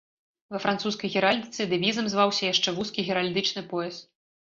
Ва французскай геральдыцы дэвізам зваўся яшчэ вузкі геральдычны пояс.